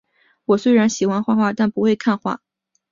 我虽然喜欢画画，但却不会看画